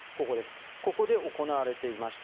ここで行われていました。